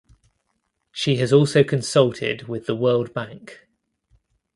She has also consulted with the World Bank.